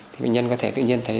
thì bệnh nhân có thể tự nhiên thấy